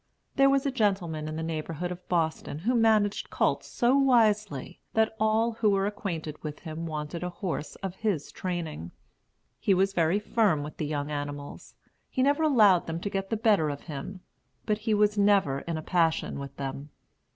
There was a gentleman in the neighborhood of Boston who managed colts so wisely, that all who were acquainted with him wanted a horse of his training. He was very firm with the young animals; he never allowed them to get the better of him; but he was never in a passion with them.